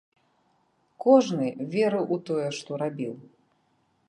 Кожны верыў у тое, што рабіў.